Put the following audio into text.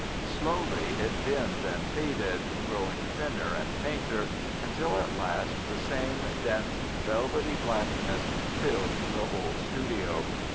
Slowly it dimmed and faded, growing thinner and fainter, until at last the same dense, velvety blackness filled the whole studio.